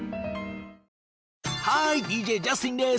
ハーイＤＪジャスティンです。